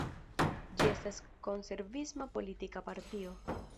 Ĝi estas konservisma politika partio.